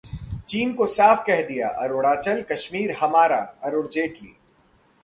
चीन को साफ कह दिया, अरुणाचल, कश्मीर हमारा: अरुण जेटली